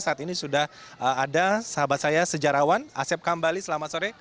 saat ini sudah ada sahabat saya sejarawan asep kambali selamat sore